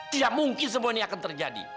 tidak mungkin semua ini akan terjadi